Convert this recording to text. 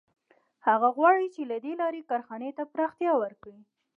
هغه غواړي چې له دې لارې کارخانې ته پراختیا ورکړي